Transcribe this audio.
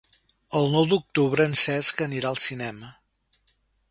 El nou d'octubre en Cesc anirà al cinema.